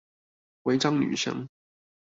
違章女生